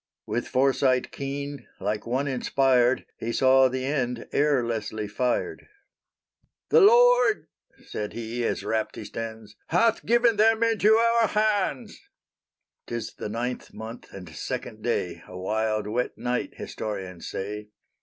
With foresight keen, like one inspired, He saw the end ere Leslie fired. "THE LORD," said he, as rapt he stands, "HATH GIVEN THEM INTO OUR HANDS!" 'Tis the ninth month and second day, A wild, wet night, historians say.